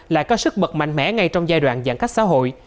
lại có sức bật mạnh mẽ ngay trong giai đoạn giãn cách xã hội